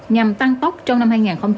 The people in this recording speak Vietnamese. nhằm tăng tốc trong năm hai nghìn hai mươi